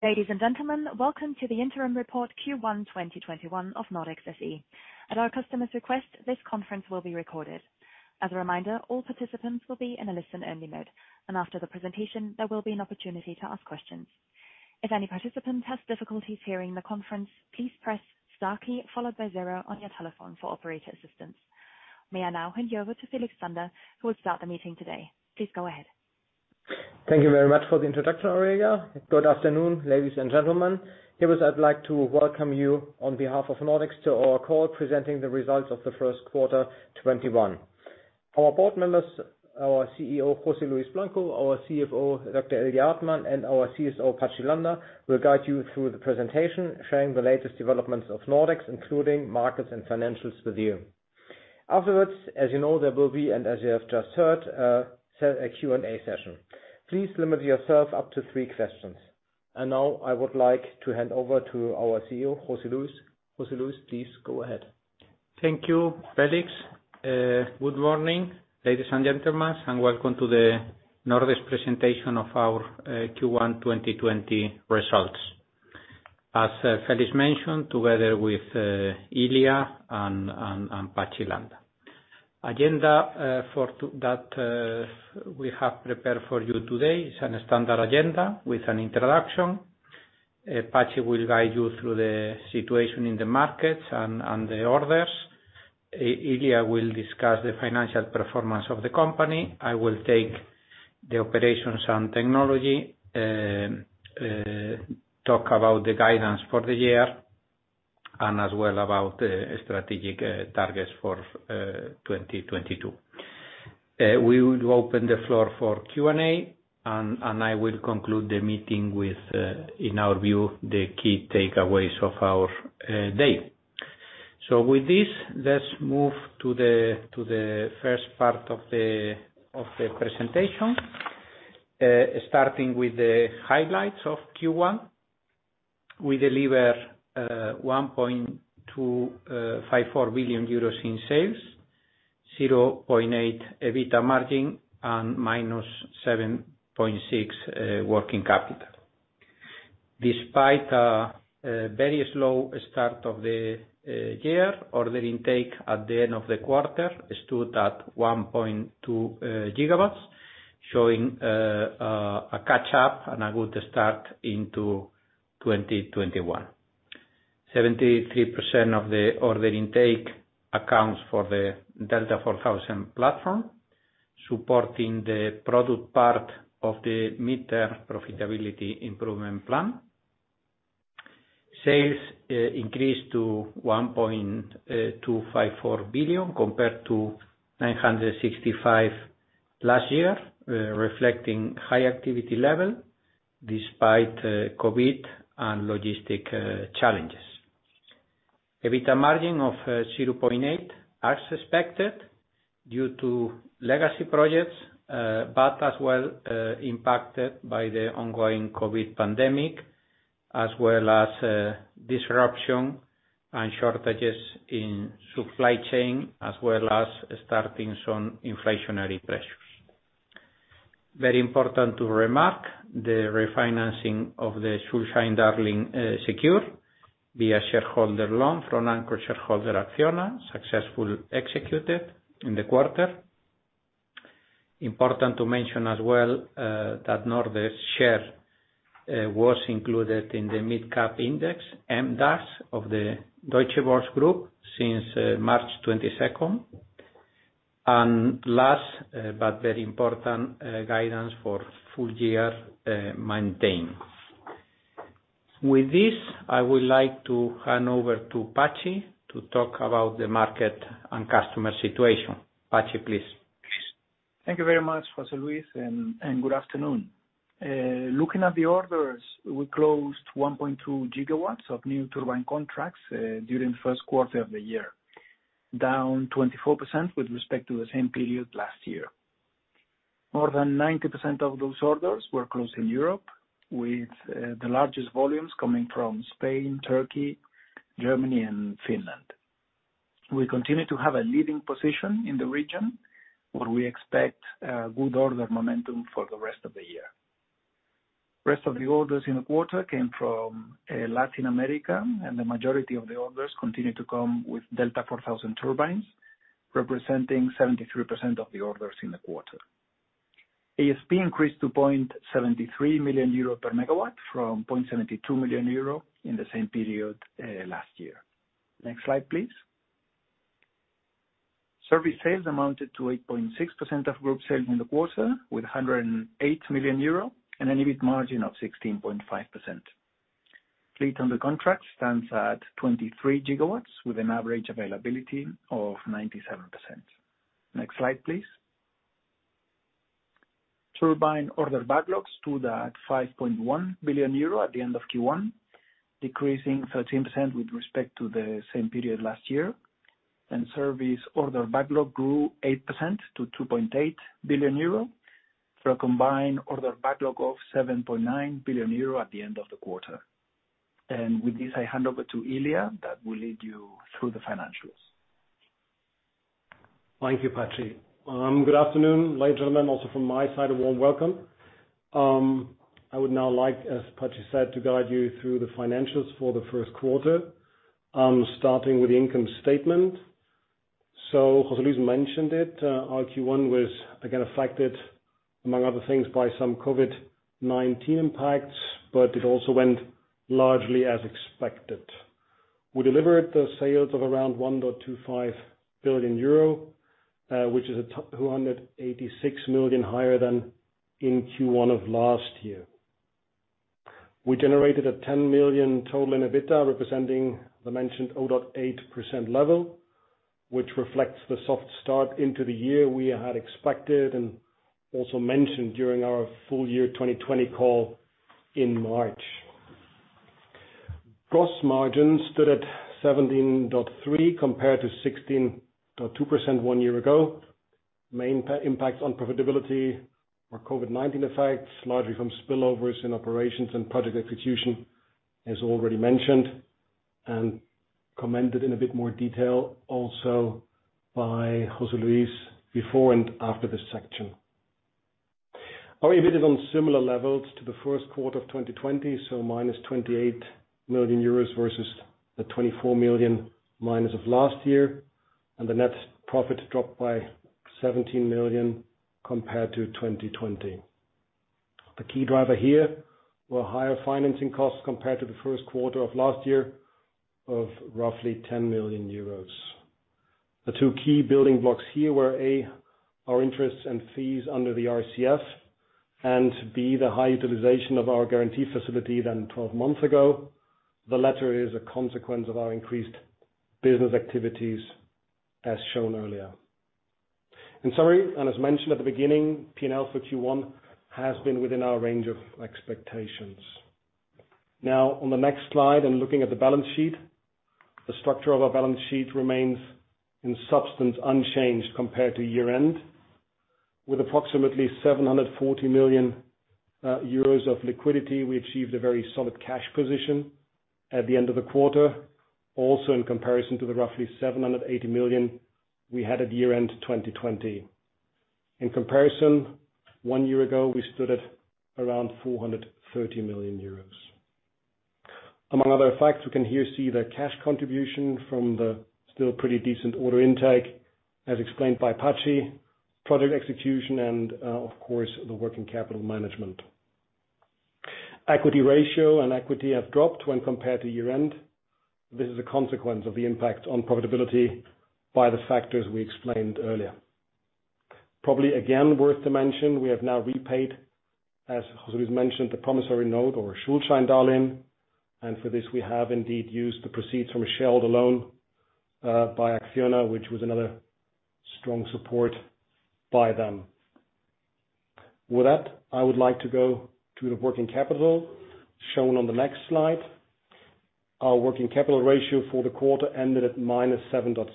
Ladies and gentlemen, welcome to the interim report Q1 2021 of Nordex SE. At our customer's request, this conference will be recorded. As a reminder, all participants will be in a listen-only mode, and after the presentation, there will be an opportunity to ask questions. If any participant has difficulty hearing the conference, please press star key followed by zero on your telephone for operator assistance. May I now hand you over to Felix Zander, who will start the meeting today. Please go ahead. Thank you very much for the introduction, [Aurelia]. Good afternoon, ladies and gentlemen. Here, I'd like to welcome you on behalf of Nordex to our call presenting the results of the first quarter 2021. Our Board members, our CEO, José Luis Blanco, our CFO, Dr. Ilya Hartmann, and our CSO, Patxi Landa, will guide you through the presentation, sharing the latest developments of Nordex, including markets and financials with you. Afterwards, as you know, there will be, and as you have just heard, a Q&A session. Please limit yourself up to three questions. Now, I would like to hand over to our CEO, José Luis. José Luis, please go ahead. Thank you, Felix. Good morning, ladies and gentlemen, welcome to the Nordex presentation of our Q1 2020 results. As Felix mentioned, together with Ilya and Patxi Landa. Agenda that we have prepared for you today is a standard agenda with an introduction. Patxi will guide you through the situation in the markets and the orders. Ilya will discuss the financial performance of the company. I will take the operations and technology, talk about the guidance for the year as well about the strategic targets for 2022. We will open the floor for Q&A, I will conclude the meeting with, in our view, the key takeaways of our day. With this, let's move to the first part of the presentation. Starting with the highlights of Q1, we deliver 1.254 billion euros in sales, 0.8% EBITDA margin, -7.6% working capital. Despite a very slow start of the year, order intake at the end of the quarter stood at 1.2 GW, showing a catch-up and a good start into 2021. 73% of the order intake accounts for the Delta4000 platform, supporting the product part of the mid-term profitability improvement plan. Sales increased to 1.254 billion compared to 965 million last year, reflecting high activity level despite COVID and logistic challenges. EBITDA margin of 0.8%, as expected, due to legacy projects, but as well impacted by the ongoing COVID pandemic, as well as disruption and shortages in supply chain, as well as starting some inflationary pressures. Very important to remark, the refinancing of the Schuldscheindarlehen secure via shareholder loan from anchor shareholder Acciona, successfully executed in the quarter. Important to mention as well that Nordex share was included in the mid-cap index, MDAX of the Deutsche Börse Group, since March 22nd. Last, but very important, guidance for full year maintained. With this, I would like to hand over to Patxi to talk about the market and customer situation. Patxi, please. Thank you very much, José Luis, and good afternoon. Looking at the orders, we closed 1.2 GW of new turbine contracts during the first quarter of the year, down 24% with respect to the same period last year. More than 90% of those orders were closed in Europe, with the largest volumes coming from Spain, Turkey, Germany, and Finland. We continue to have a leading position in the region, where we expect good order momentum for the rest of the year. Rest of the orders in the quarter came from Latin America, and the majority of the orders continue to come with Delta4000 turbines, representing 73% of the orders in the quarter. ASP increased to 73 million euro per megawatt from 72 million euro in the same period last year. Next slide, please. Service sales amounted to 8.6% of Group sales in the quarter with 108 million euro, and an EBIT margin of 16.5%. Fleet under contract stands at 23 GW with an average availability of 97%. Next slide, please. Turbine order backlogs stood at 5.1 billion euro at the end of Q1, decreasing 13% with respect to the same period last year. Service order backlog grew 8% to 2.8 billion euro, for a combined order backlog of 7.9 billion euro at the end of the quarter. With this, I hand over to Ilya that will lead you through the financials. Thank you, Patxi. Good afternoon, ladies and gentlemen. Also from my side, a warm welcome. I would now like, as Patxi said, to guide you through the financials for the first quarter, starting with the income statement. José Luis mentioned it, our Q1 was again affected, among other things, by some COVID-19 impacts, but it also went largely as expected. We delivered the sales of around 1.25 billion euro, which is 286 million higher than in Q1 of last year. We generated 10 million total in EBITDA, representing the mentioned 0.8% level, which reflects the soft start into the year we had expected, and also mentioned during our full-year 2020 call in March. Gross margins stood at 17.3% compared to 16.2% one year ago. Main impacts on profitability were COVID-19 effects, largely from spillovers in operations and project execution, as already mentioned, and commented in a bit more detail also by José Luis, before and after this section. Our EBITDA is on similar levels to the first quarter of 2020, so -28 million euros versus the -24 million of last year, and the net profit dropped by 17 million compared to 2020. The key driver here, were higher financing costs compared to the first quarter of last year of roughly 10 million euros. The two key building blocks here were, A, our interests and fees under the RCF, and B, the high utilization of our guarantee facility than 12 months ago. The latter is a consequence of our increased business activities as shown earlier. In summary, and as mentioned at the beginning, P&L for Q1 has been within our range of expectations. On the next slide and looking at the balance sheet, the structure of our balance sheet remains, in substance, unchanged compared to year-end. With approximately 740 million euros of liquidity, we achieved a very solid cash position at the end of the quarter, also in comparison to the roughly 780 million we had at year-end 2020. In comparison, one year ago, we stood at around 430 million euros. Among other effects, we can here see the cash contribution from the still pretty decent order intake as explained by Patxi, project execution, and of course, the working capital management. Equity ratio and equity have dropped when compared to year-end. This is a consequence of the impact on profitability by the factors we explained earlier. Probably again worth to mention, we have now repaid, as José Luis mentioned, the promissory note or Schuldscheindarlehen. For this we have indeed used the proceeds from a shareholder loan, by Acciona, which was another strong support by them. With that, I would like to go to the working capital shown on the next slide. Our working capital ratio for the quarter ended at -7.6%,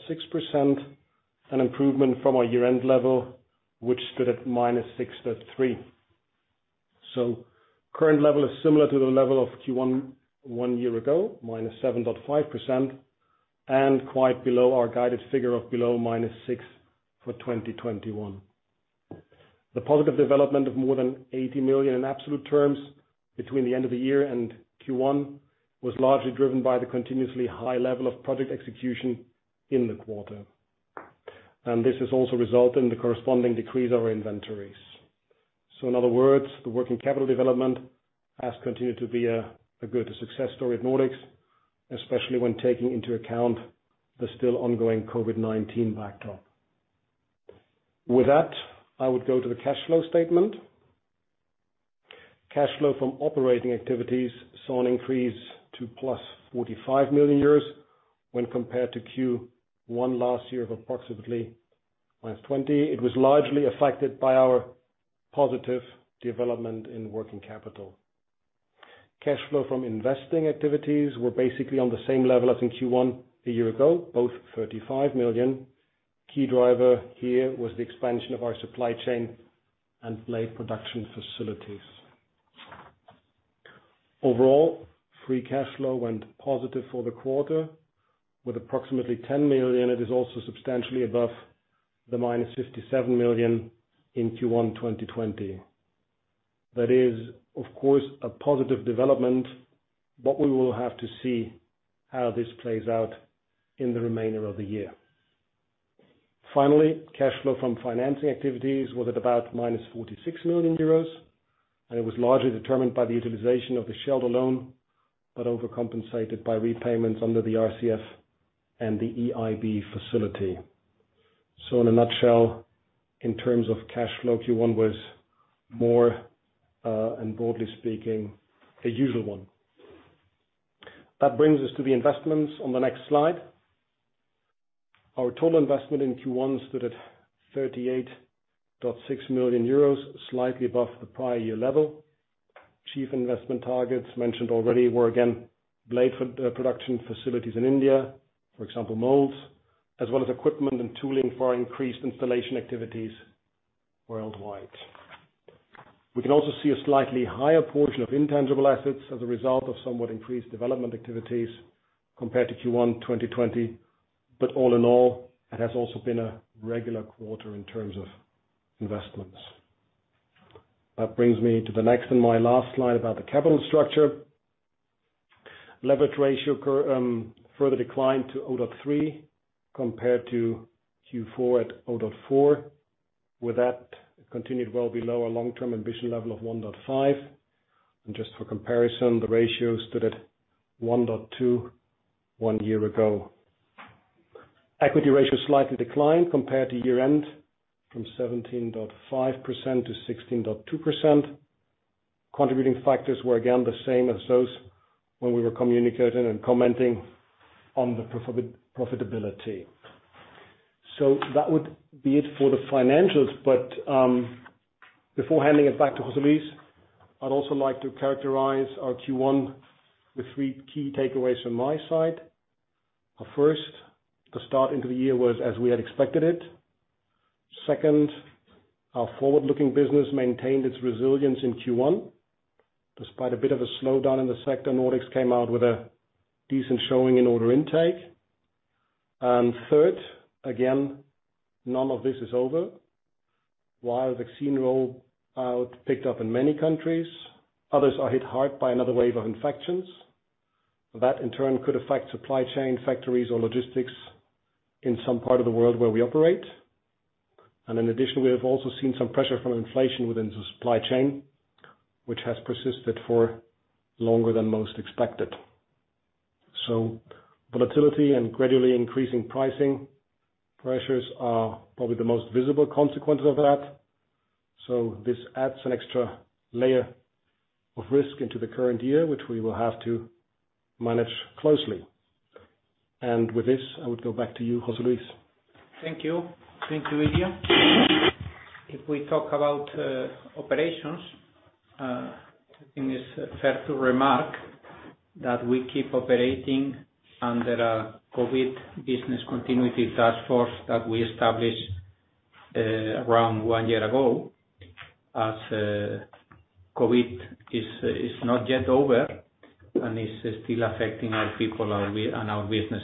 an improvement from our year-end level, which stood at -6.3%. Current level is similar to the level of Q1 one year ago, -7.5%, Quite below our guided figure of below -6% for 2021. The positive development of more than 80 million in absolute terms between the end of the year and Q1, was largely driven by the continuously high level of project execution in the quarter. This has also resulted in the corresponding decrease of our inventories. In other words, the working capital development has continued to be a good success story at Nordex, especially when taking into account the still ongoing COVID-19 backdrop. With that, I would go to the cash flow statement. Cash flow from operating activities saw an increase to +45 million euros, when compared to Q1 last year of approximately -20 million. It was largely affected by our positive development in working capital. Cash flow from investing activities were basically on the same level as in Q1 a year ago, both 35 million. Key driver here was the expansion of our supply chain and blade production facilities. Overall, free cash flow went positive for the quarter with approximately 10 million. It is also substantially above the -57 million in Q1 2020. That is, of course, a positive development. We will have to see how this plays out in the remainder of the year. Finally, cash flow from financing activities was at about -46 million euros, and it was largely determined by the utilization of the shareholder loan, but overcompensated by repayments under the RCF and the EIB facility. In a nutshell, in terms of cash flow, Q1 was more, and broadly speaking, a usual one. That brings us to the investments on the next slide. Our total investment in Q1 stood at 38.6 million euros, slightly above the prior year level. Chief investment targets mentioned already were again blade production facilities in India, for example, molds, as well as equipment and tooling for our increased installation activities worldwide. We can also see a slightly higher portion of intangible assets as a result of somewhat increased development activities compared to Q1 2020. All in all, it has also been a regular quarter in terms of investments. That brings me to the next and my last slide about the capital structure. Leverage ratio further declined to 0.3x compared to Q4 at 0.4x. With that, it continued well below our long-term ambition level of 1.5x. Just for comparison, the ratio stood at 1.2x one year ago. Equity ratio slightly declined compared to year-end, from 17.5% to 16.2%. Contributing factors were again the same as those when we were communicating and commenting on the profitability. That would be it for the financials, but before handing it back to José Luis, I'd also like to characterize our Q1 with three key takeaways from my side. First, the start into the year was as we had expected it. Second, our forward-looking business maintained its resilience in Q1. Despite a bit of a slowdown in the sector, Nordex came out with a decent showing in order intake. Third, again, none of this is over. While vaccine roll-out picked up in many countries, others are hit hard by another wave of infections. That in turn could affect supply chain factories or logistics in some part of the world where we operate. In addition, we have also seen some pressure from inflation within the supply chain, which has persisted for longer than most expected. Volatility and gradually increasing pricing pressures are probably the most visible consequence of that. This adds an extra layer of risk into the current year, which we will have to manage closely. With this, I would go back to you, José Luis. Thank you. Thank you, Ilya. We talk about operations, I think it's fair to remark that we keep operating under a COVID-19 business continuity task force that we established around one year ago. COVID-19 is not yet over and is still affecting our people and our business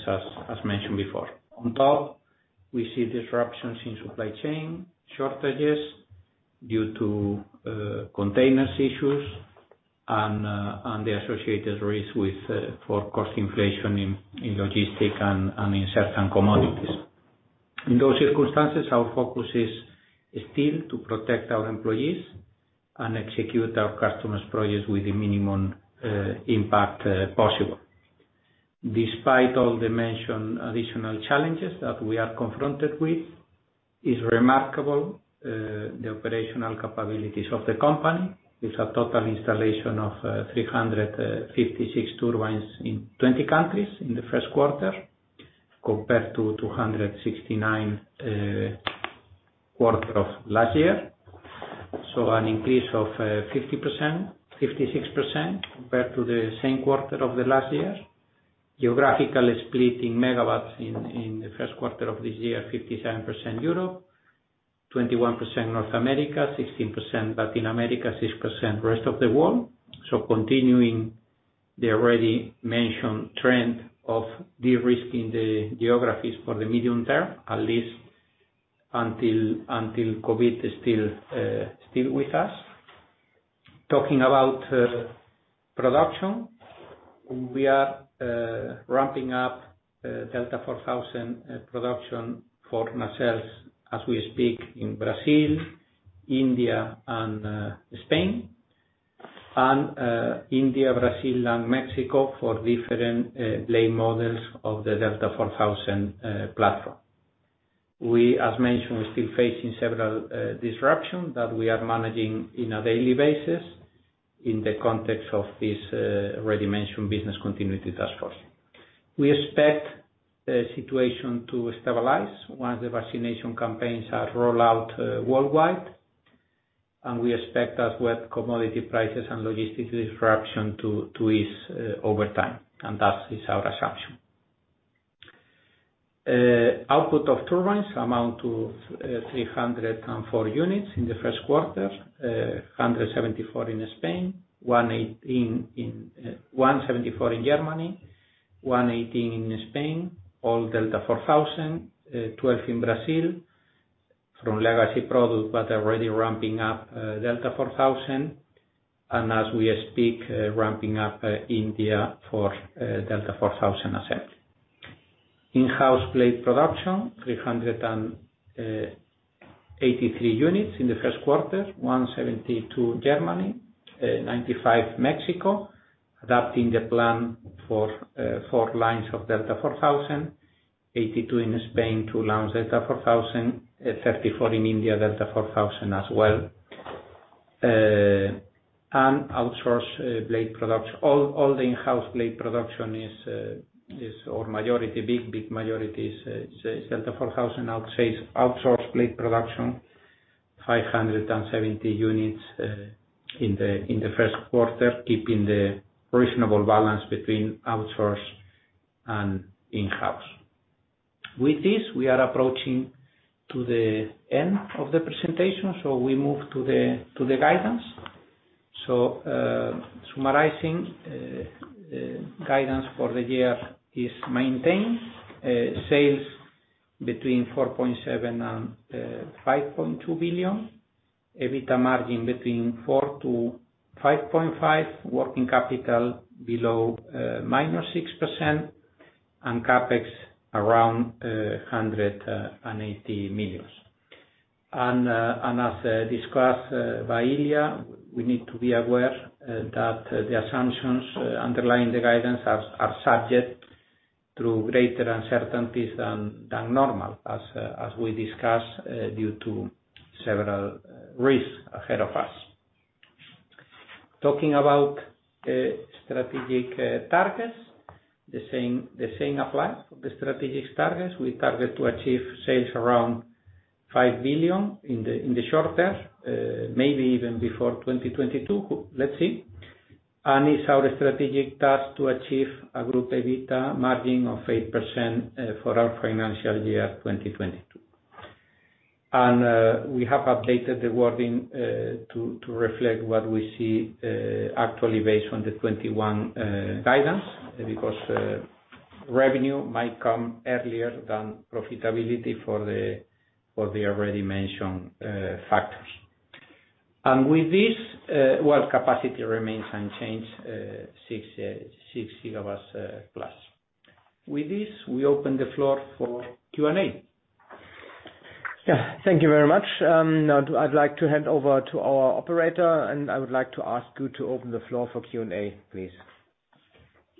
as mentioned before. On top, we see disruptions in supply chain, shortages due to containers issues and the associated risk for cost inflation in logistics and in certain commodities. In those circumstances, our focus is still to protect our employees and execute our customers' projects with the minimum impact possible. Despite all the mentioned additional challenges that we are confronted with, is remarkable the operational capabilities of the company with a total installation of 356 turbines in 20 countries in the first quarter, compared to 269 quarter of last year. An increase of 56% compared to the same quarter of the last year. Geographically split in megawatts in the first quarter of this year, 57% Europe, 21% North America, 16% Latin America, 6% rest of the world. Continuing the already mentioned trend of de-risking the geographies for the medium term, at least until COVID-19 is still with us. Talking about production, we are ramping up Delta4000 production for nacelles as we speak in Brazil, India, and Spain. India, Brazil, and Mexico for different blade models of the Delta4000 platform. We, as mentioned, we're still facing several disruptions that we are managing in a daily basis in the context of this already mentioned business continuity task force. We expect the situation to stabilize once the vaccination campaigns are rolled out worldwide, and we expect that with commodity prices and logistics disruption to ease over time, and that is our assumption. Output of turbines amount to 304 units in the first quarter, 174 in Spain, 174 in Germany, 118 in Spain, all Delta4000. 12 in Brazil from legacy product, but already ramping up Delta4000. As we speak, ramping up India for Delta4000 as well. In-house blade production, 383 units in the first quarter. 172 Germany, 95 Mexico, adapting the plan for four lines of Delta4000. 82 in Spain to launch Delta4000. 34 in India, Delta4000 as well. Outsourced blade production. All the in-house blade production is, or majority, big majority is Delta4000. Outsourced blade production, 570 units in the first quarter, keeping the reasonable balance between outsourced and in-house. With this, we are approaching to the end of the presentation, we move to the guidance. Summarizing, guidance for the year is maintained. Sales between 4.7 billion and 5.2 billion. EBITDA margin between 4%-5.5%. Working capital below -6%. CapEx around 180 million. As discussed by Ilya, we need to be aware that the assumptions underlying the guidance are subject to greater uncertainties than normal, as we discussed, due to several risks ahead of us. Talking about strategic targets. The same applies for the strategic targets. We target to achieve sales around 5 billion in the short term, maybe even before 2022. Let's see. It's our strategic task to achieve a group EBITDA margin of 8% for our financial year 2022. We have updated the wording to reflect what we see actually based on the 2021 guidance, because revenue might come earlier than profitability for the already mentioned factors. With this, well, capacity remains unchanged, 6+ GW. With this, we open the floor for Q&A. Yeah. Thank you very much. Now I'd like to hand over to our operator, and I would like to ask you to open the floor for Q&A, please.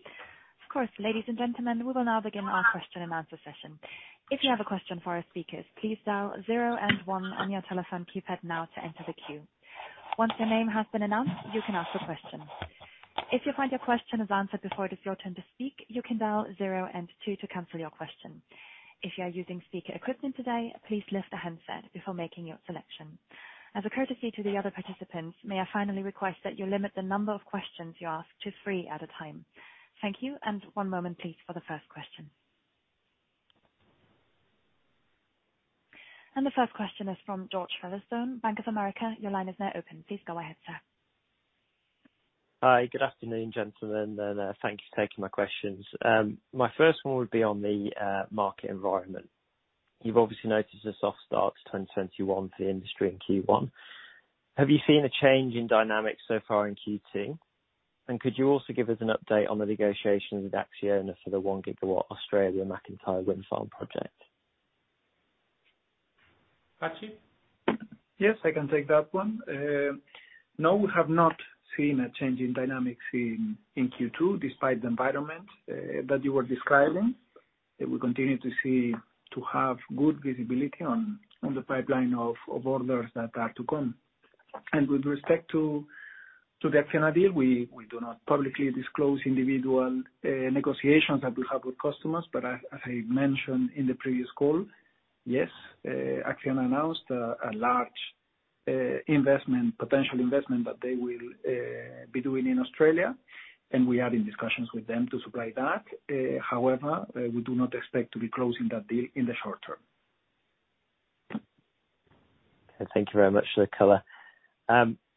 Of course. Ladies and gentlemen, we will now begin our question-and-answer session. If you have a question for our speakers, please dial zero and one on your telephone keypad now to enter the queue. Once your name has been announced, you can ask a question. If you find your question is answered before it is your turn to speak, you can dial zero and two to cancel your question. If you are using speaker equipment today, please lift the handset before making your selection. As a courtesy to the other participants, may I finally request that you limit the number of questions you ask to three at a time. Thank you, and one moment please for the first question. The first question is from George Featherstone, Bank of America. Your line is now open. Please go ahead, sir. Hi. Good afternoon, gentlemen. Thanks for taking my questions. My first one would be on the market environment. You've obviously noticed a soft start to 2021 for the industry in Q1. Have you seen a change in dynamics so far in Q2? Could you also give us an update on the negotiations with Acciona for the 1 GW Australia MacIntyre wind farm project? Patxi? Yes, I can take that one. No, we have not seen a change in dynamics in Q2 despite the environment that you are describing. We continue to have good visibility on the pipeline of orders that are to come. With respect to the Acciona deal, we do not publicly disclose individual negotiations that we have with customers, but as I mentioned in the previous call, yes, Acciona announced a large potential investment that they will be doing in Australia, and we are in discussions with them to supply that. However, we do not expect to be closing that deal in the short term. Okay. Thank you very much for the color.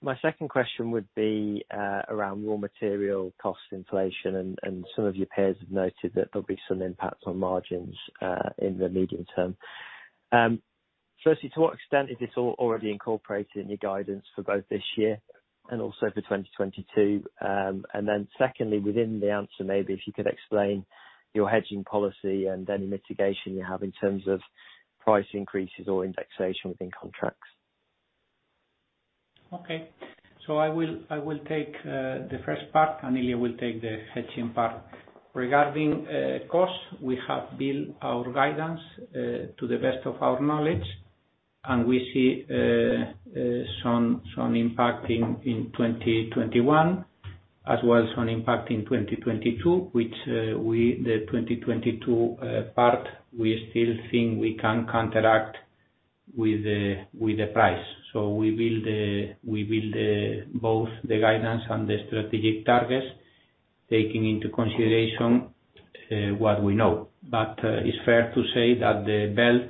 My second question would be around raw material cost inflation, and some of your peers have noted that there'll be some impact on margins, in the medium term. Firstly, to what extent is this all already incorporated in your guidance for both this year and also for 2022? Secondly, within the answer, maybe if you could explain your hedging policy and any mitigation you have in terms of price increases or indexation within contracts. Okay. I will take the first part, and Ilya will take the hedging part. Regarding costs, we have built our guidance to the best of our knowledge, and we see some impact in 2021 as well as some impact in 2022. The 2022 part, we still think we can counteract with the price. We build both the guidance and the strategic targets, taking into consideration what we know. It's fair to say that the belt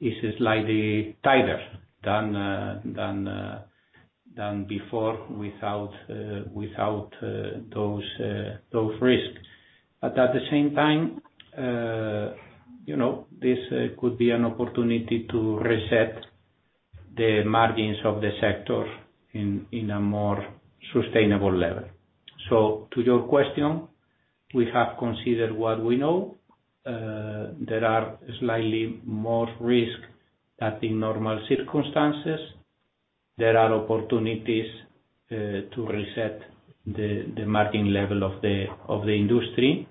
is slightly tighter than before without those risks. At the same time, this could be an opportunity to reset the margins of the sector in a more sustainable level. To your question, we have considered what we know. There are slightly more risks than in normal circumstances. There are opportunities to reset the margin level of the industry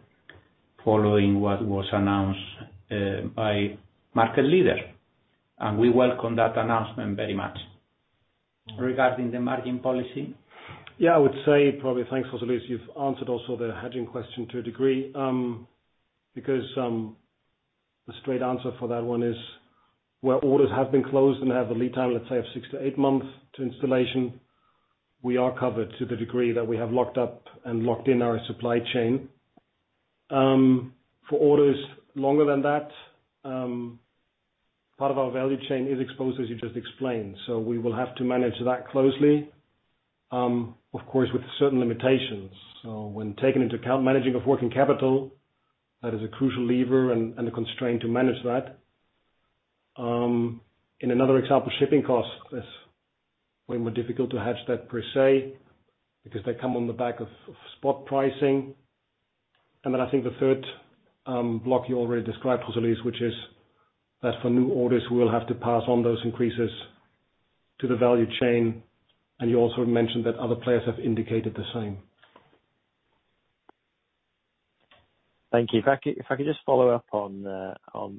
following what was announced by market leader. We welcome that announcement very much. Regarding the margin policy? Yeah, I would say probably, thanks, José Luis, you've answered also the hedging question to a degree. The straight answer for that one is where orders have been closed and have a lead time, let's say, of six to eight months to installation. We are covered to the degree that we have locked up and locked in our supply chain. For orders longer than that, part of our value chain is exposed, as you just explained, we will have to manage that closely. Of course, with certain limitations. When taking into account managing of working capital, that is a crucial lever and a constraint to manage that. In another example, shipping costs, that's way more difficult to hedge that per se, because they come on the back of spot pricing. I think the third block you already described, José Luis, which is that for new orders, we will have to pass on those increases to the value chain. You also mentioned that other players have indicated the same. Thank you. If I could just follow up on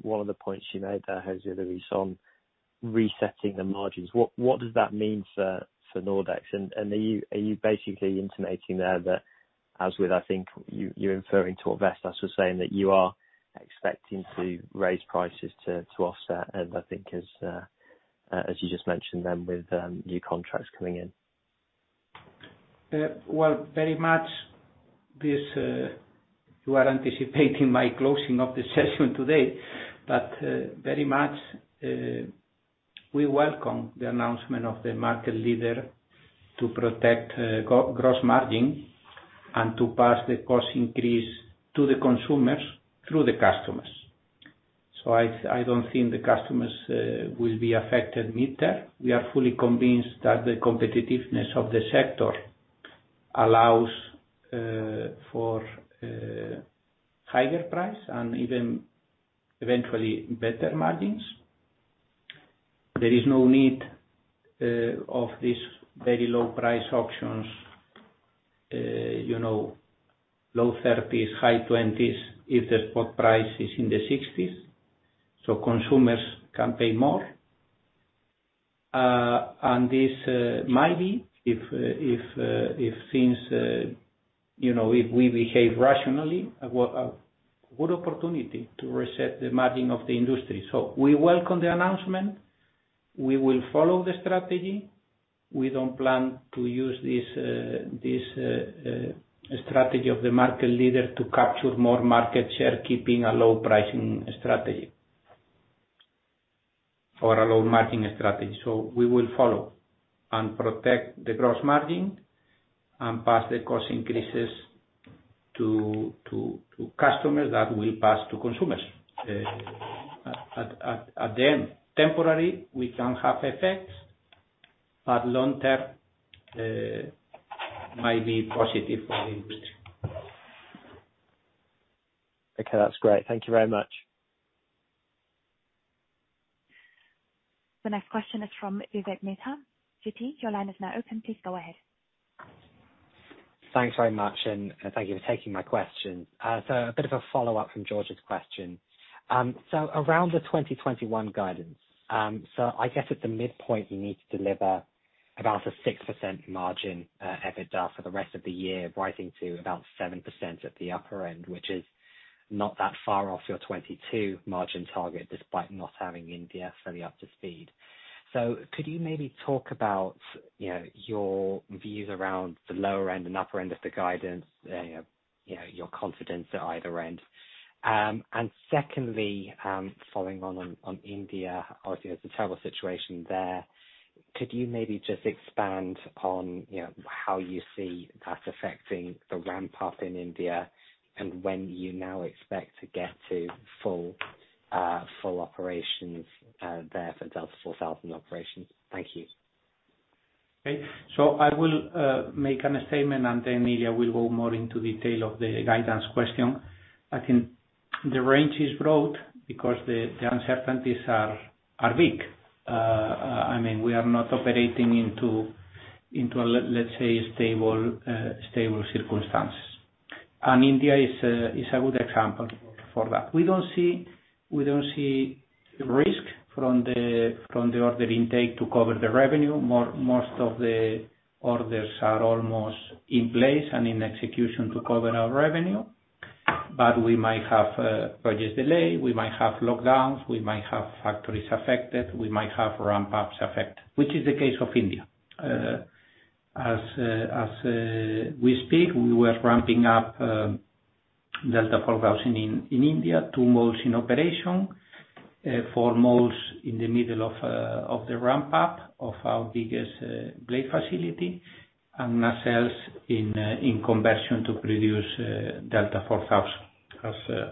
one of the points you made there, José Luis, on resetting the margins. What does that mean for Nordex? Are you basically intimating there that, as with, I think, you're referring to Vestas, was saying that you are expecting to raise prices to offset, and I think as you just mentioned then, with new contracts coming in? Well, very much. You are anticipating my closing of the session today, but very much, we welcome the announcement of the market leader to protect gross margin and to pass the cost increase to the consumers through the customers. I don't think the customers will be affected mid-term. We are fully convinced that the competitiveness of the sector allows for higher price and even eventually better margins. There is no need of these very low price options, low 30s, high 20s if the spot price is in the 60s. Consumers can pay more. This might be, if we behave rationally, a good opportunity to reset the margin of the industry. We welcome the announcement. We will follow the strategy. We don't plan to use this strategy of the market leader to capture more market share, keeping a low pricing strategy or a low margin strategy. We will follow and protect the gross margin and pass the cost increases to customers that will pass to consumers. At the end, temporary, we can have effects, but long-term, might be positive for the industry. Okay, that's great. Thank you very much. The next question is from Vivek Midha, Citi, your line is now open. Please go ahead. Thanks very much, and thank you for taking my question. A bit of a follow-up from George's question. Around the 2021 guidance. I guess at the midpoint, you need to deliver about a 6% margin EBITDA for the rest of the year, rising to about 7% at the upper end, which is not that far off your 2022 margin target, despite not having India fully up to speed. Could you maybe talk about your views around the lower end and upper end of the guidance, your confidence at either end? Secondly, following on India, obviously, it's a terrible situation there. Could you maybe just expand on how you see that affecting the ramp-up in India and when you now expect to get to full operations there for Delta4000 operations? Thank you. Okay. I will make a statement, and then Ilya will go more into detail of the guidance question. I think the range is broad because the uncertainties are big. We are not operating into, let's say, stable circumstances. India is a good example for that. We don't see risk from the order intake to cover the revenue. Most of the orders are almost in place and in execution to cover our revenue. We might have project delay, we might have lockdowns, we might have factories affected, we might have ramp-ups affected, which is the case of India. As we speak, we were ramping up Delta4000 in India, two molds in operation, four molds in the middle of the ramp-up of our biggest blade facility, and nacelles in conversion to produce Delta4000.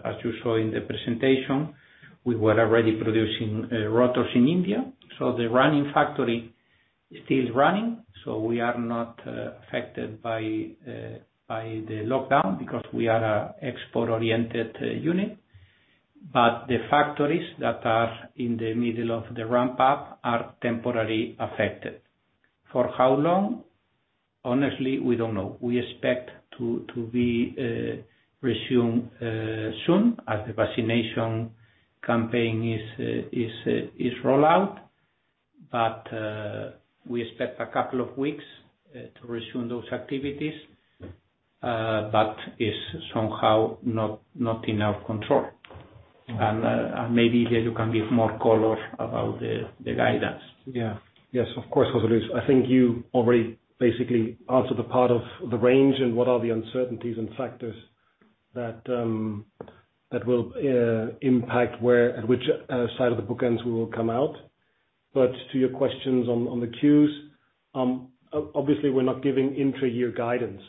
As you saw in the presentation, we were already producing rotors in India. The running factory is still running, we are not affected by the lockdown because we are a export-oriented unit. The factories that are in the middle of the ramp-up are temporarily affected. For how long? Honestly, we don't know. We expect to be resumed soon as the vaccination campaign is roll out. We expect a couple of weeks to resume those activities. It's somehow not in our control. Maybe here you can give more color about the guidance. Yes, of course, José Luis. I think you already basically answered the part of the range and what are the uncertainties and factors that will impact where, at which side of the bookends we will come out. To your questions on the Qs, obviously we're not giving intra-year guidance.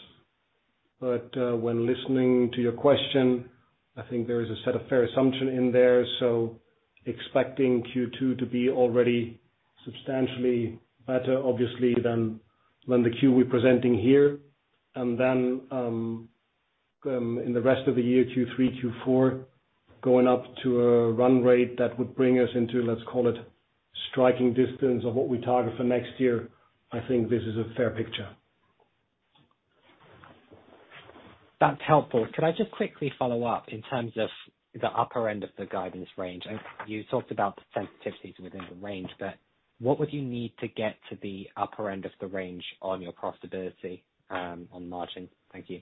But when listening to your question, I think there is a set of fair assumption in there. So expecting Q2 to be already substantially better, obviously, than the Q we're presenting here. In the rest of the year, Q3, Q4, going up to a run rate that would bring us into, let's call it striking distance of what we target for next year. I think this is a fair picture. That's helpful. Could I just quickly follow up in terms of the upper end of the guidance range? You talked about the sensitivities within the range, but what would you need to get to the upper end of the range on your profitability, on margin? Thank you.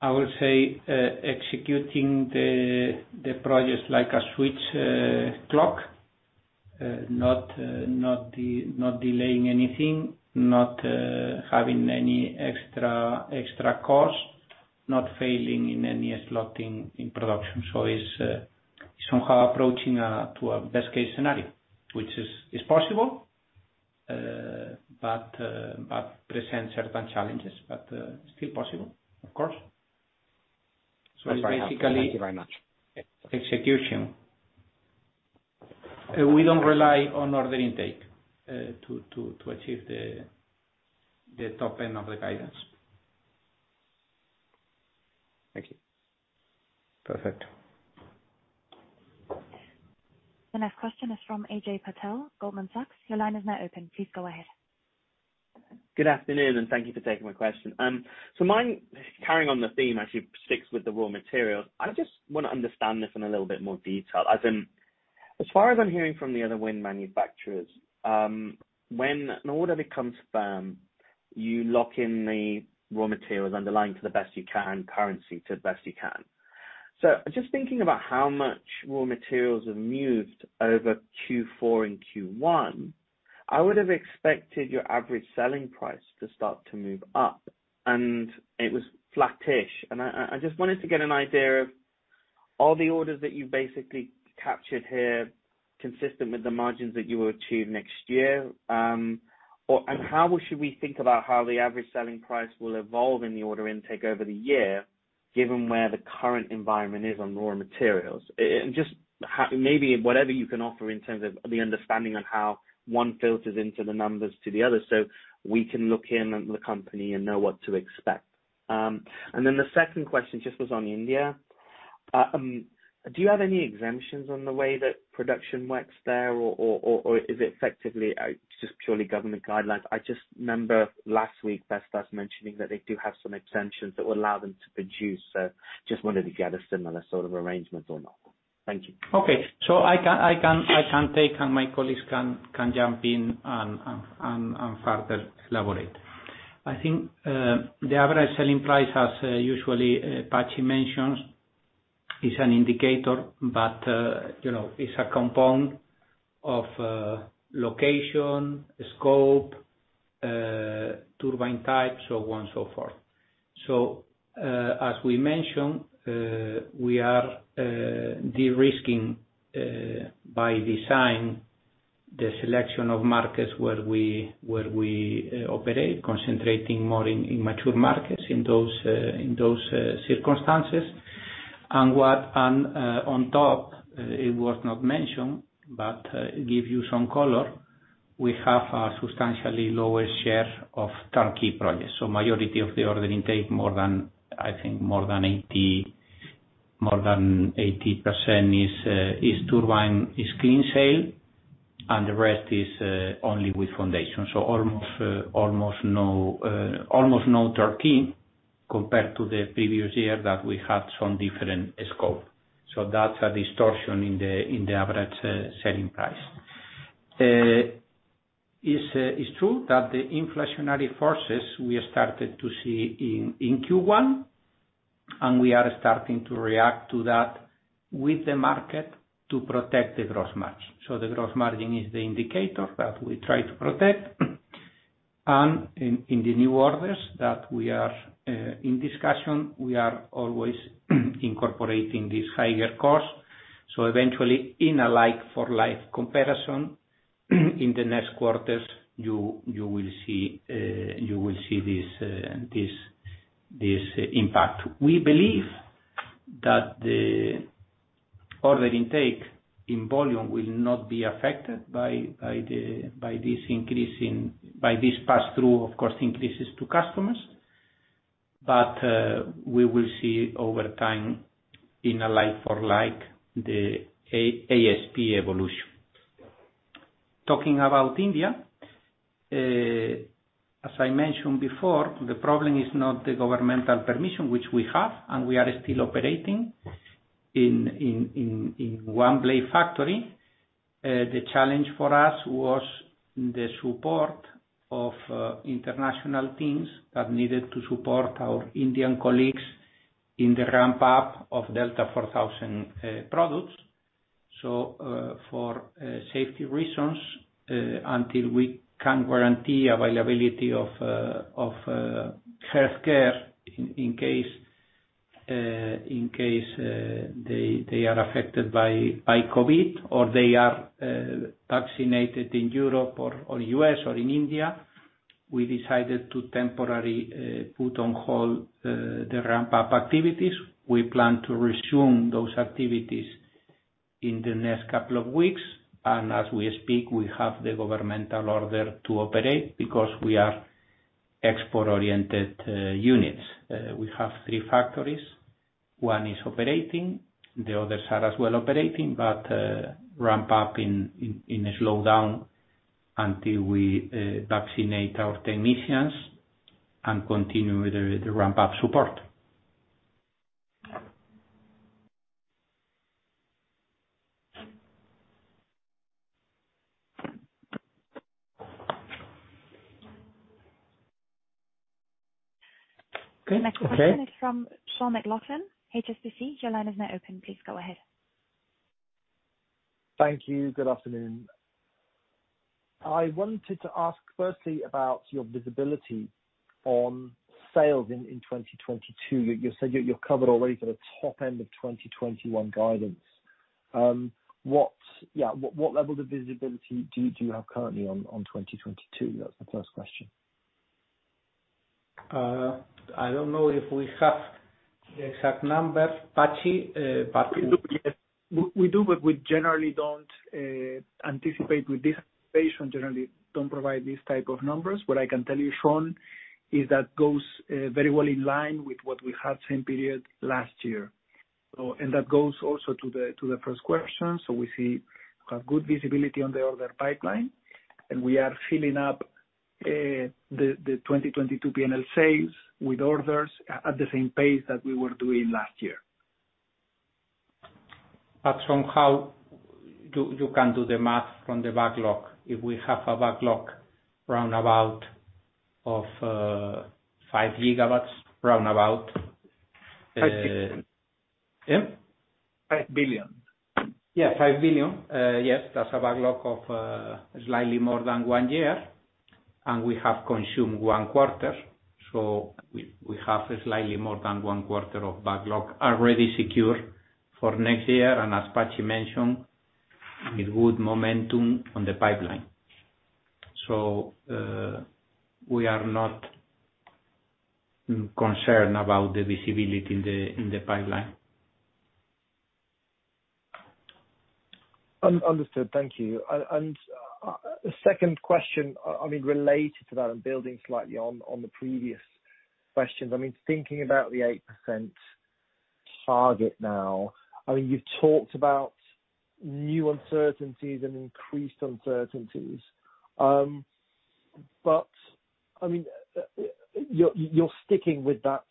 I would say, executing the projects like a Swiss clock. Not delaying anything. Not having any extra cost. Not failing in any slot in production. It's somehow approaching to a best case scenario. Which is possible, but presents certain challenges. Still possible, of course. That's very helpful. Thank you very much. It's basically execution. We don't rely on order intake to achieve the top end of the guidance. Thank you. Perfect. The next question is from Ajay Patel, Goldman Sachs. Your line is now open. Please go ahead. Good afternoon, and thank you for taking my question. My carrying on the theme actually sticks with the raw materials. I just want to understand this in a little bit more detail. As far as I'm hearing from the other wind manufacturers, when an order becomes firm, you lock in the raw materials underlying to the best you can, currency to the best you can. Just thinking about how much raw materials have moved over Q4 and Q1, I would have expected your average selling price to start to move up and it was flattish. I just wanted to get an idea of all the orders that you've basically captured here, consistent with the margins that you will achieve next year. How should we think about how the average selling price will evolve in the order intake over the year, given where the current environment is on raw materials? Just maybe whatever you can offer in terms of the understanding on how one filters into the numbers to the other, so we can look in on the company and know what to expect. Then the second question just was on India. Do you have any exemptions on the way that production works there or is it effectively just purely government guidelines? I just remember last week Vestas mentioning that they do have some exemptions that will allow them to produce. Just wanted to get a similar sort of arrangement or not. Thank you. Okay. I can take and my colleagues can jump in and further elaborate. I think, the average selling price, as usually Patxi mentions, is an indicator, but it's a component of location, scope, turbine type, so on and so forth. As we mentioned, we are de-risking by design the selection of markets where we operate, concentrating more in mature markets in those circumstances. What on top, it was not mentioned, but give you some color, we have a substantially lower share of turnkey projects. Majority of the order intake, I think more than 80% is turbine, is clean sale, and the rest is only with foundation. Almost no turnkey compared to the previous year that we had some different scope. That's a distortion in the average selling price. It's true that the inflationary forces we have started to see in Q1, we are starting to react to that with the market to protect the gross margin. The gross margin is the indicator that we try to protect. In the new orders that we are in discussion, we are always incorporating this higher cost. Eventually in a like-for-like comparison, in the next quarters, you will see this impact. We believe that the order intake in volume will not be affected by this pass through of cost increases to customers. We will see over time in a like-for-like, the ASP evolution. Talking about India, as I mentioned before, the problem is not the governmental permission, which we have, and we are still operating in one blade factory. The challenge for us was the support of international teams that needed to support our Indian colleagues in the ramp-up of Delta4000 products. For safety reasons, until we can guarantee availability of healthcare in case they are affected by COVID, or they are vaccinated in Europe or U.S. or in India, we decided to temporarily put on hold the ramp-up activities. We plan to resume those activities in the next couple of weeks. As we speak, we have the governmental order to operate because we are export-oriented units. We have three factories. One is operating, the others are as well operating, but ramp-up in a slowdown until we vaccinate our technicians and continue with the ramp-up support. Okay. The next question is from Sean McLoughlin, HSBC. Your line is now open. Please go ahead. Thank you. Good afternoon. I wanted to ask firstly about your visibility on sales in 2022. You said you're covered already for the top end of 2021 guidance. What level of visibility do you have currently on 2022? That's the first question. I don't know if we have the exact numbers, Patxi? We do, but we generally don't anticipate with this patient provide these type of numbers. What I can tell you, Sean, is that goes very well in line with what we had same period last year. That goes also to the first question. We see we have good visibility on the order pipeline, and we are filling up the 2022 P&L sales with orders at the same pace that we were doing last year. Somehow, you can do the math from the backlog. If we have a backlog round about of 5 GW. EUR 5 billion. Yeah? 5 billion. Yeah. 5 billion. Yes. That's a backlog of slightly more than one year, and we have consumed one quarter. We have slightly more than one quarter of backlog already secure for next year, and as Patxi mentioned, with good momentum on the pipeline. We are not concerned about the visibility in the pipeline. Understood. Thank you. Second question, related to that and building slightly on the previous questions. Thinking about the 8% target now. You've talked about new uncertainties and increased uncertainties. You're sticking with that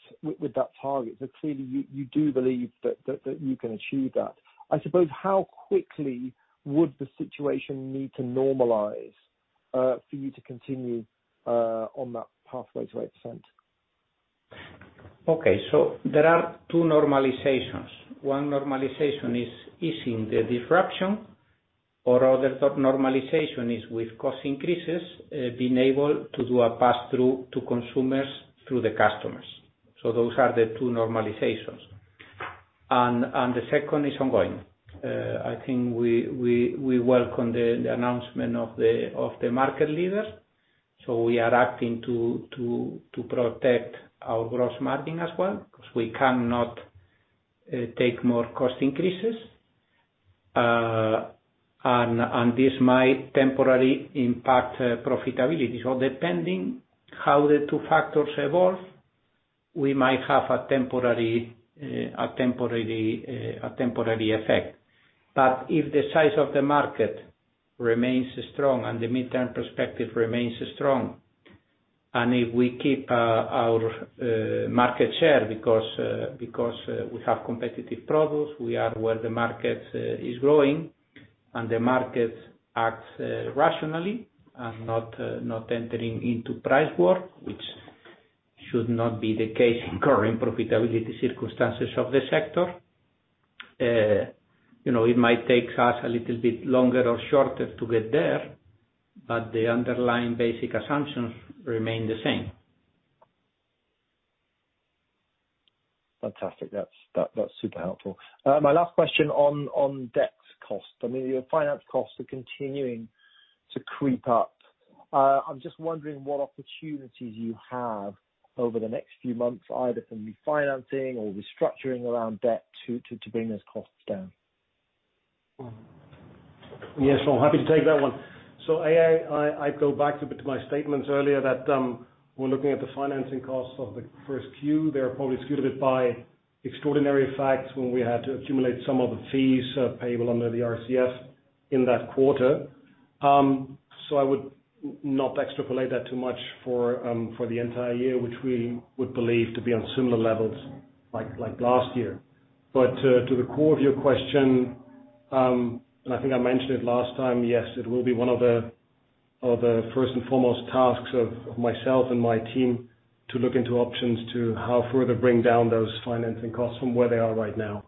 target. Clearly you do believe that you can achieve that. I suppose, how quickly would the situation need to normalize for you to continue on that pathway to 8%? Okay. There are two normalizations. One normalization is easing the disruption. Other top normalization is with cost increases, being able to do a pass-through to consumers through the customers. Those are the two normalizations. The second is ongoing. I think we welcome the announcement of the market leaders. We are acting to protect our gross margin as well, because we cannot take more cost increases. This might temporarily impact profitability. Depending how the two factors evolve, we might have a temporary effect. If the size of the market remains strong and the mid-term perspective remains strong, and if we keep our market share because we have competitive products, we are where the market is growing, and the market acts rationally and not entering into price war, which should not be the case in current profitability circumstances of the sector. It might take us a little bit longer or shorter to get there, but the underlying basic assumptions remain the same. Fantastic. That's super helpful. My last question on debt cost. Your finance costs are continuing to creep up. I'm just wondering what opportunities you have over the next few months, either from refinancing or restructuring around debt to bring those costs down. Yes. Well, happy to take that one. I go back a bit to my statements earlier that we're looking at the financing costs of the first Q. They're probably skewed a bit by extraordinary facts when we had to accumulate some of the fees payable under the RCF in that quarter. I would not extrapolate that too much for the entire year, which we would believe to be on similar levels like last year. To the core of your question, and I think I mentioned it last time, yes, it will be one of the first and foremost tasks of myself and my team to look into options to how further bring down those financing costs from where they are right now.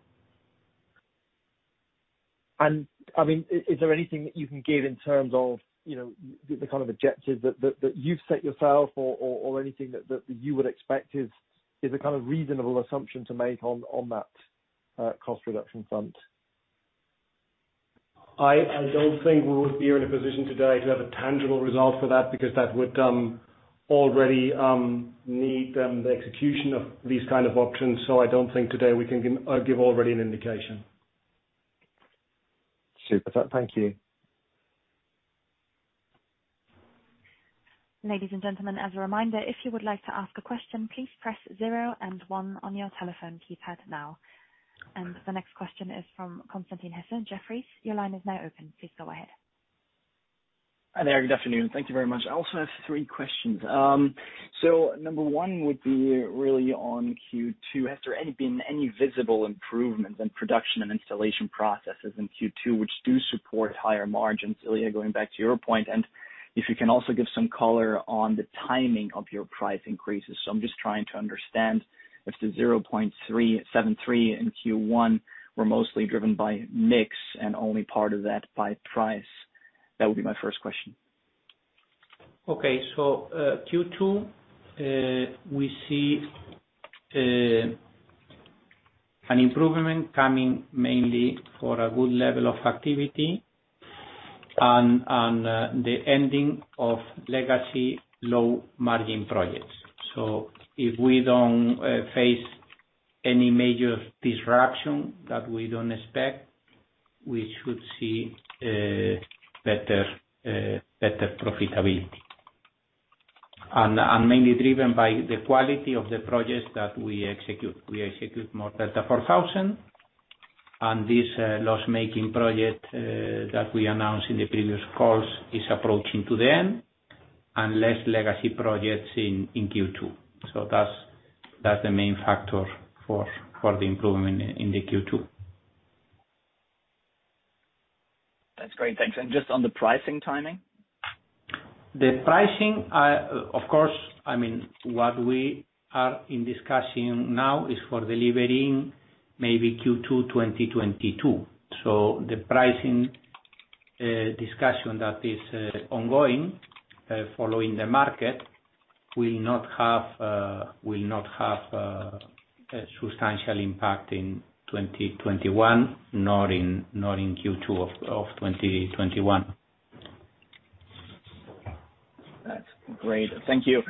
Is there anything that you can give in terms of the kind of objectives that you've set yourself or anything that you would expect is a kind of reasonable assumption to make on that cost reduction front? I don't think we would be in a position today to have a tangible result for that, because that would already need the execution of these kind of options. I don't think today we can give already an indication. Super. Thank you. Ladies and gentlemen, as a reminder, if you would like to ask a question, please press zero and one on your telephone keypad now. The next question is from Constantin Hesse, Jefferies. Your line is now open. Please go ahead. Hi, there. Good afternoon. Thank you very much. I also have three questions. Number one would be really on Q2. Has there been any visible improvements in production and installation processes in Q2, which do support higher margins, Ilya, going back to your point? If you can also give some color on the timing of your price increases. I'm just trying to understand if the 0.73 in Q1 were mostly driven by mix and only part of that by price. That would be my first question. Q2, we see an improvement coming mainly for a good level of activity and the ending of legacy low-margin projects. If we don't face any major disruption that we don't expect, we should see better profitability. Mainly driven by the quality of the projects that we execute. We execute more Delta4000, and this loss-making project, that we announced in the previous calls, is approaching to the end, and less legacy projects in Q2. That's the main factor for the improvement in the Q2. That's great. Thanks. Just on the pricing timing? The pricing, of course, what we are in discussion now is for delivering maybe Q2 2022. The pricing discussion that is ongoing, following the market, will not have a substantial impact in 2021, nor in Q2 of 2021. That's great. Thank you.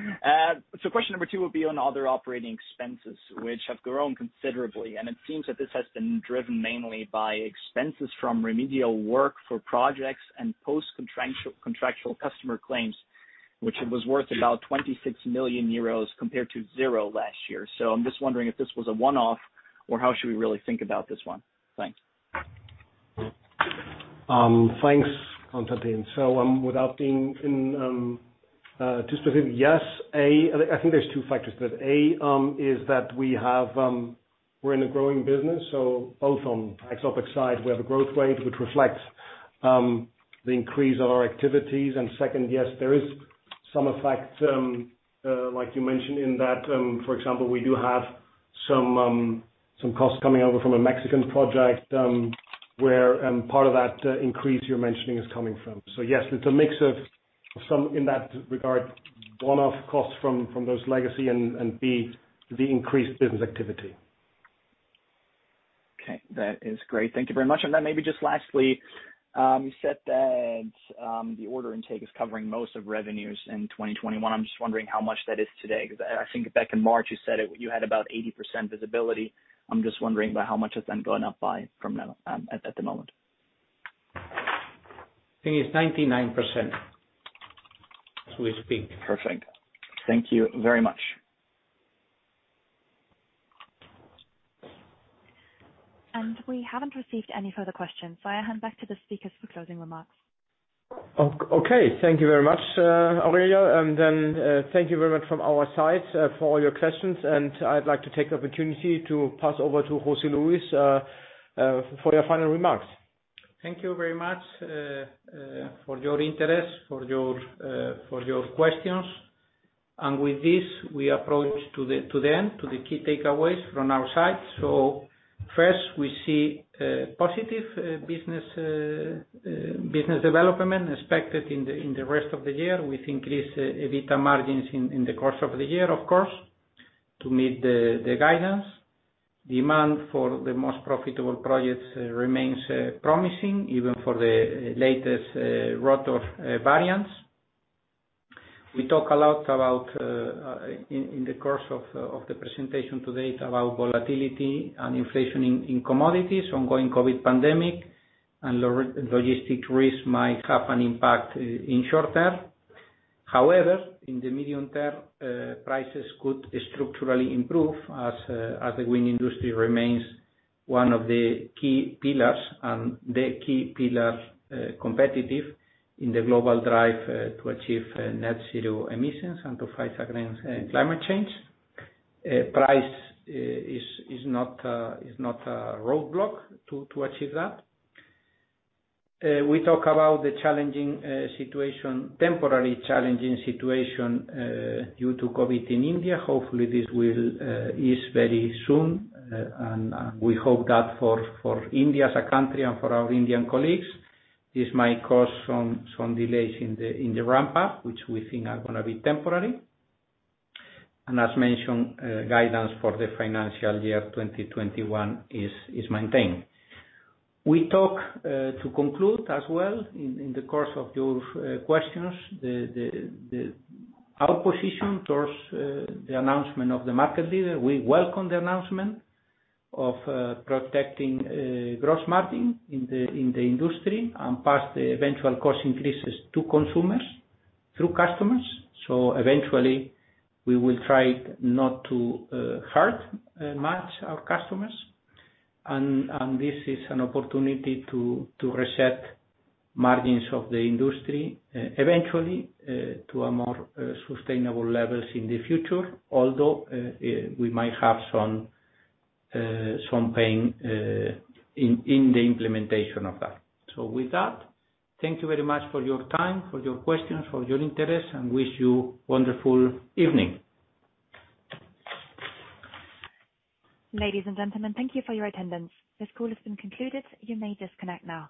Question number two will be on other operating expenses, which have grown considerably, and it seems that this has been driven mainly by expenses from remedial work for projects and post-contractual customer claims, which was worth about 26 million euros compared to zero last year. I'm just wondering if this was a one-off, or how should we really think about this one? Thanks. Thanks, Constantin. Without being too specific, yes. I think there's two factors. A, is that we're in a growing business, so both on exotic side, we have a growth rate, which reflects the increase of our activities. Second, yes, there is some effect, like you mentioned, in that, for example, we do have some costs coming over from a Mexican project, where part of that increase you're mentioning is coming from. Yes, it's a mix of some, in that regard, one-off costs from those legacy and, B, the increased business activity. Okay. That is great. Thank you very much. Maybe just lastly, you said that the order intake is covering most of revenues in 2021. I'm just wondering how much that is today, because I think back in March, you said you had about 80% visibility. I'm just wondering by how much it's then gone up by from now at the moment. I think it's 99%, as we speak. Perfect. Thank you very much. We haven't received any further questions, so I hand back to the speakers for closing remarks. Okay. Thank you very much, [Aurelia]. Thank you very much from our side for all your questions, and I'd like to take the opportunity to pass over to José Luis for your final remarks. Thank you very much for your interest, for your questions. With this, we approach to the end, to the key takeaways from our side. First, we see positive business development expected in the rest of the year, with increased EBITDA margins in the course of the year, of course, to meet the guidance. Demand for the most profitable projects remains promising, even for the latest rotor variants. We talk a lot about, in the course of the presentation today, about volatility and inflation in commodities, ongoing COVID pandemic, and logistics risk might have an impact in short-term. However, in the medium-term, prices could structurally improve as the wind industry remains one of the key pillars, and the key pillar competitive in the global drive to achieve net zero emissions and to fight against climate change. Price is not a roadblock to achieve that. We talk about the temporary challenging situation due to COVID in India. Hopefully, this will ease very soon, and we hope that for India as a country and for our Indian colleagues. This might cause some delays in the ramp-up, which we think are going to be temporary. As mentioned, guidance for the financial year 2021 is maintained. We talk to conclude as well, in the course of your questions, our position towards the announcement of the market leader. We welcome the announcement of protecting gross margin in the industry and pass the eventual cost increases to consumers through customers. Eventually, we will try not to hurt much our customers. This is an opportunity to reset margins of the industry, eventually, to a more sustainable levels in the future. Although, we might have some pain in the implementation of that. With that, thank you very much for your time, for your questions, for your interest, and wish you wonderful evening. Ladies and gentlemen, thank you for your attendance. This call has been concluded. You may disconnect now.